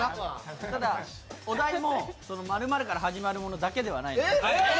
お題も○○から始まるものだけではないんです。